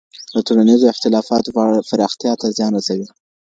د ټولنيزو اختلافاتو پراختيا ته زیان رسوي.